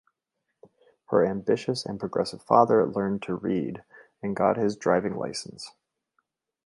Her ambitious and progressive father learned to read and got his driving license.